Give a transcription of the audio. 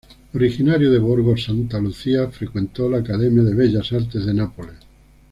Originario del Borgo Santa Lucia, frecuentó la Academia de Bellas Artes de Nápoles.